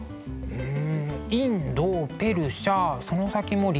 うん。